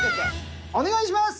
お願いします。